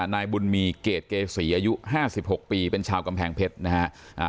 นายบุญมีเกรดเกษีอายุ๕๖ปีเป็นชาวกำแพงเพชรนะฮะ